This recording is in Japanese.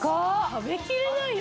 食べきれないよ